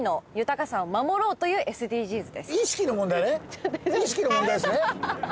意識の問題ですね。